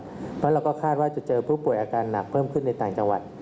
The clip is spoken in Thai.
เพราะเราก็คาดว่าจะเจอผู้ป่วยอาการหนักเพิ่มขึ้นในต่างจังหวัด